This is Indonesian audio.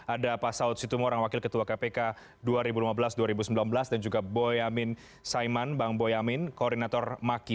ada pak saud situmorang wakil ketua kpk dua ribu lima belas dua ribu sembilan belas dan juga boyamin saiman bang boyamin koordinator maki